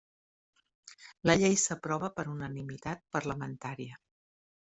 La llei s'aprova per unanimitat parlamentària.